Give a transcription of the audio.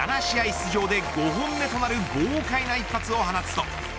出場で５本目となる豪快な一発を放つと。